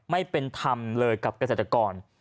ไม่เป็นธรรมเลยกับกระเศรษฐกร